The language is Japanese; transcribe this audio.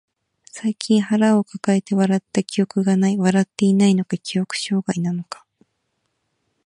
最近腹抱えて笑った記憶がない。笑っていないのか、記憶障害なのか。